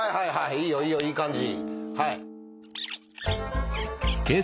いいよいいよいい感じ。